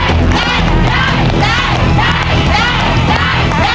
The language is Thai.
ครอบครัวของแม่ปุ้ยจังหวัดสะแก้วนะครับ